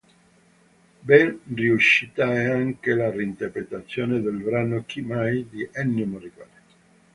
Ben riuscita è anche la reinterpretazione del brano "Chi Mai" di Ennio Morricone.